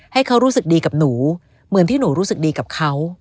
ให้เขารู้สึกดีกับหนูเหมือนที่หนูรู้สึกดีกับเขา